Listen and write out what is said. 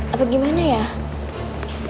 nanti kalau aku nggak makan nanti aku sakit mas